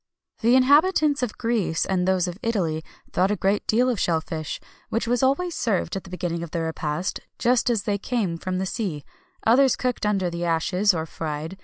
[XXI 213] The inhabitants of Greece and those of Italy thought a great deal of shell fish, which was always served at the beginning of the repast, just as they came from the sea: others cooked under the ashes, or fried.